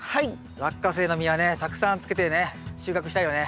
ラッカセイの実はねたくさんつけてね収穫したいよね？